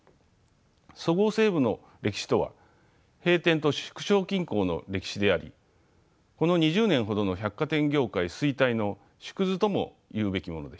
そごう・西武の歴史とは閉店と縮小均衡の歴史でありこの２０年ほどの百貨店業界衰退の縮図ともいうべきものでした。